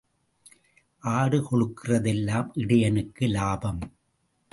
ஆடு கொழுக்கிறது எல்லாம் இடையனுக்கு லாபம்.